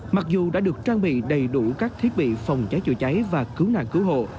mặc dù đã được trang bị đầy đủ các thiết bị phòng cháy chữa cháy và cứu nạn cứu hộ